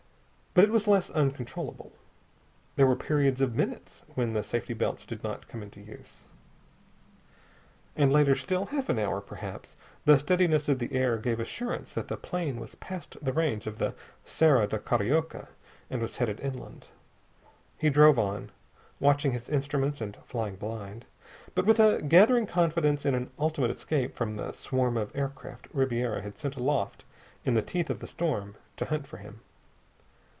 But it was less uncontrollable. There were periods of minutes when the safety belts did not come into use. And later still, half an hour perhaps, the steadiness of the air gave assurance that the plane was past the range of the Serra da Carioca and was headed inland. He drove on, watching his instruments and flying blind, but with a gathering confidence in an ultimate escape from the swarm of aircraft Ribiera had sent aloft in the teeth of the storm to hunt for him.